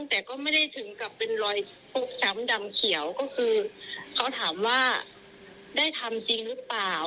แต่ก็ไม่ได้ถึงกับเป็นรอยฟกช้ำดำเขียวก็คือเขาถามว่าได้ทำจริงหรือเปล่า